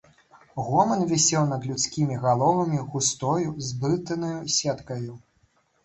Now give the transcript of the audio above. Гоман вісеў над людскімі галовамі густою, зблытанаю сеткаю.